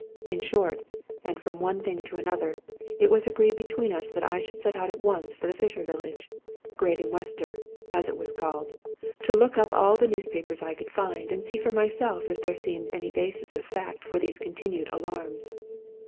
In short, and from one thing to another, it was agreed be tween us that I should set out at once for the fisher village, Graden Wester, as it was called, look up all the newspapers I could find, and see for myself if there seemed any basis of fact for these continued alarms.